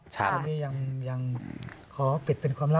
ตอนนี้ยังขอปิดเป็นความลับ